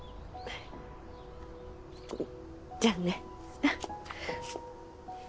じゃあね。